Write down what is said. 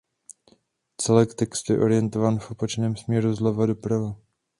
Celek textu je orientován v opačném směru zleva doprava.